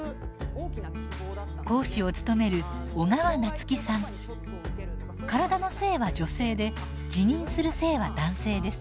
講師を務める体の性は女性で自認する性は男性です。